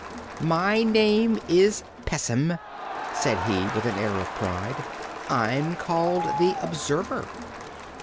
"My name is Pessim," said he, with an air of pride. "I'm called the Observer."